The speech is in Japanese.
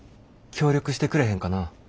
協力してくれへんかな？